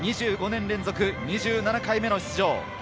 ２５年連続２７回目の出場。